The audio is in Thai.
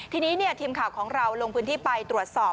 ทีนี้ทีมข่าวของเราลงพื้นที่ไปตรวจสอบ